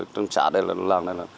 trong xã này là làng này